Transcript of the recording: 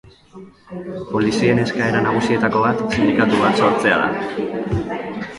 Polizien eskaera nagusietako bat sindikatu bat sortzea da.